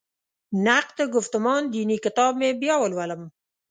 نقد ګفتمان دیني کتاب مې بیا ولولم.